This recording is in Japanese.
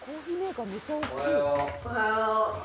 おはよう。